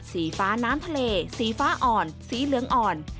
สีฟ้าน้ำทะเลสีฟ้าอ่อนสีเหลืองอ่อน